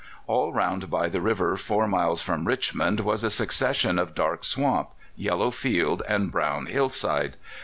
All round by the river four miles from Richmond was a succession of dark swamp, yellow field, and brown hill side.